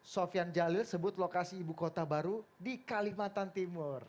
sofian jalil sebut lokasi ibu kota baru di kalimantan timur